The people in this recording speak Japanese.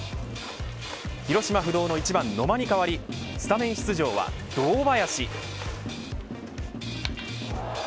広島不動の１番、野間に変わりスタメン出場は堂林。